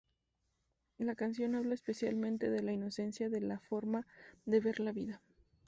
La canción habla especialmente de la inocencia, de la forma de ver la vida.